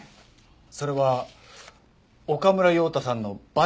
それは岡村陽太さんのバイトテロのせいで？